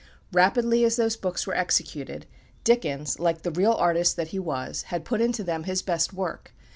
Rapidly as those books were executed, Dickens, like the real artist that he was, had put into them his best work.